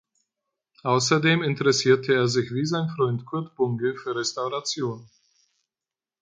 Außerdem interessierte er sich wie sein Freund Kurt Bunge für Restauration.